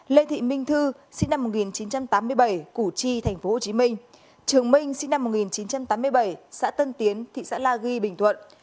lê thị minh thư sinh năm một nghìn chín trăm tám mươi bảy củ chi tp hcm trường minh sinh năm một nghìn chín trăm tám mươi bảy xã tân tiến thị xã la ghi bình thuận